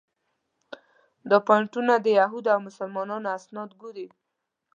دا پواینټونه د یهودو او مسلمانانو اسناد ګوري.